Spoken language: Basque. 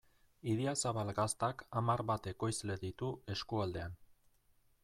Idiazabal Gaztak hamar bat ekoizle ditu eskualdean.